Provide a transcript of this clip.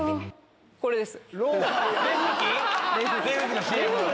これです。